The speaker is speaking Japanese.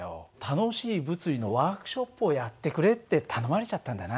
楽しい物理のワークショップをやってくれって頼まれちゃったんだな。